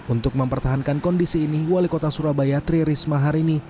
untuk mempertahankan kondisi ini wali kota surabaya tri risma hari ini